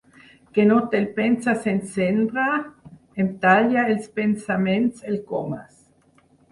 Que no te'l penses encendre? —em talla els pensaments el Comas.